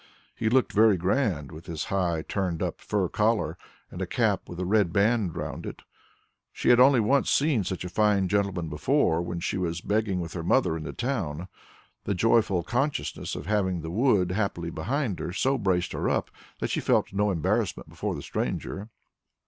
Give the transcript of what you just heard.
He looked very grand, with his high turned up fur collar and a cap with a red band round it. She had only once seen such a fine gentleman before, when she was begging with her mother in the town. The joyful consciousness of having the wood happily behind her so braced her up, that she felt no embarrassment before the stranger.